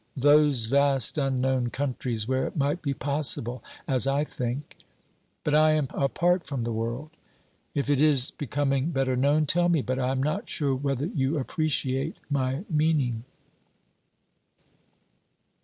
Those vast unknown countries, where it might be possible, as I think — But I am apart from the world. If it is be coming better known, tell me, but I am not sure whether you appreciate my meaning.